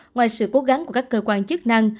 ngoài sự cố gắng của các cơ quan chức năng